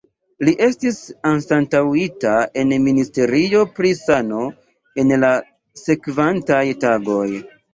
Li estis anstataŭita en Ministerio pri sano en la sekvantaj tagoj.